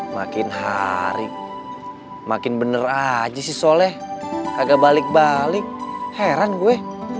makin hari makin bener aja sih soleh agak balik balik heran gue